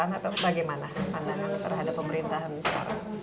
atau ada sedikit kekecewaan atau bagaimana terhadap pemerintahan sekarang